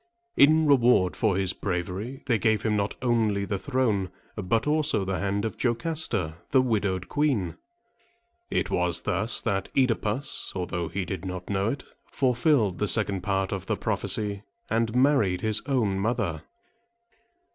In reward for his bravery, they gave him not only the throne, but also the hand of Jocasta, the widowed queen. It was thus that OEdipus, although he did not know it, fulfilled the second part of the prophecy, and married his own mother.